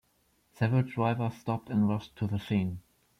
Several drivers stopped and rushed to the scene.